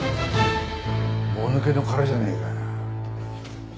もぬけの殻じゃねえか。